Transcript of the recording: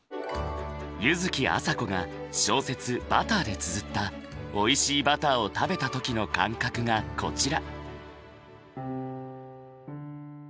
柚木麻子が小説「ＢＵＴＴＥＲ」でつづったおいしいバターを食べた時の感覚がこちら。